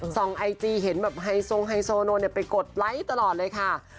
ไอจีเห็นแบบไฮโซงไฮโซโนไปกดไลค์ตลอดเลยค่ะ